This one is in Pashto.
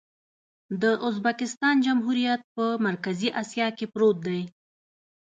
د ازبکستان جمهوریت په مرکزي اسیا کې پروت دی.